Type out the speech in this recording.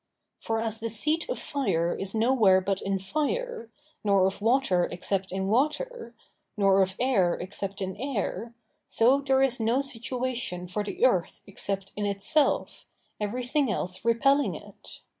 For as the seat of fire is nowhere but in fire, nor of water except in water, nor of air except in air, so there is no situation for the earth except in itself, everything else repelling it.